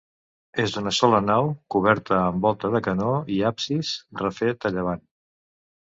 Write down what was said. És d'una sola nau, coberta amb volta de canó i absis, refet, a llevant.